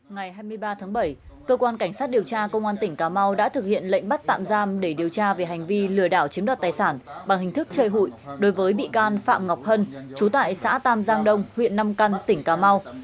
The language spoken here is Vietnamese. ngày hai mươi ba tháng bảy cơ quan cảnh sát điều tra công an tỉnh cà mau đã thực hiện lệnh bắt tạm giam để điều tra về hành vi lừa đảo chiếm đoạt tài sản bằng hình thức chơi hụi đối với bị can phạm ngọc hân chú tại xã tam giang đông huyện nam căn tỉnh cà mau